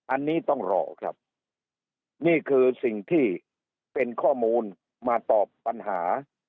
อันนี้ต้องรอครับนี่คือสิ่งที่เป็นข้อมูลมาตอบปัญหา